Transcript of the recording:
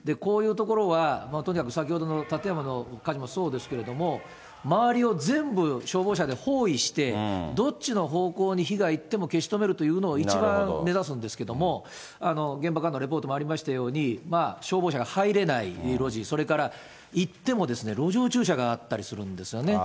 こういう所はもうとにかく先ほどの館山の火事もそうですけれども、周りを全部消防車で包囲して、どっちの方向に火が行っても消し止めるというのを一番目指すんですけれども、現場からのレポートもありますように、消防車が入れない路地、それからいっても路上駐車があったりするんですよね。